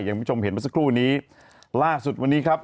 คุณผู้ชมเห็นเมื่อสักครู่นี้ล่าสุดวันนี้ครับ